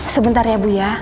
sebentar ya bu ya